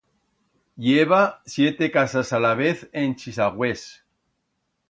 I heba siete casas alavez en Chisagüés.